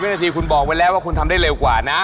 วินาทีคุณบอกไว้แล้วว่าคุณทำได้เร็วกว่านะ